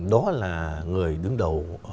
đó là người đứng đầu